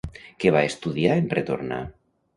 Què va estudiar en retornar?